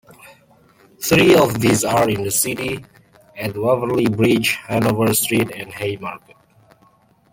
Three of these are in the city at Waverley Bridge, Hanover Street and Haymarket.